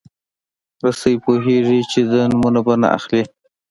رسنۍ پوهېږي چې د نومونه به نه اخلي.